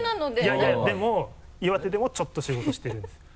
いやいやでも岩手でもちょっと仕事してるんですよね。